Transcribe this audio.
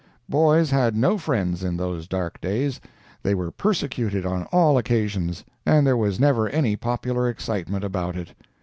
Boys had no friends in those dark days. They were persecuted on all occasions, and there was never any popular excitement about it.